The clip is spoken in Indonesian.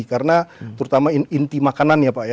karena terutama inti makanan ya pak ya